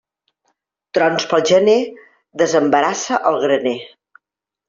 Trons pel gener, desembarassa el graner.